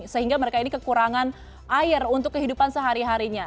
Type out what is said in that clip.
sehingga mereka ini kekurangan air untuk kehidupan sehari harinya